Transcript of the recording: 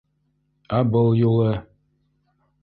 Ә был юлы...